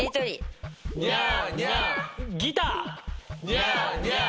ニャーニャー。